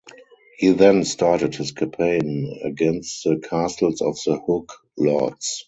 He then started his campaign against the castles of the Hook lords.